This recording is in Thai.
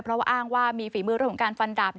เพราะว่าอ้างว่ามีฝีมือเรื่องของการฟันดาบ